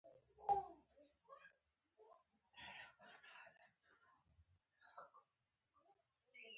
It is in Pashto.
ونو تازه ګلان رېژولي وو.